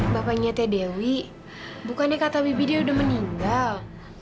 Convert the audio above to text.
bapaknya t dewi bukannya kata bibi dia udah meninggal